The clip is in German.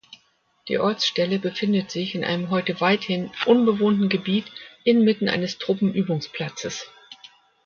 Die Ortsstelle befindet sich in einem heute weithin unbewohnten Gebiet inmitten eines Truppenübungsplatzes.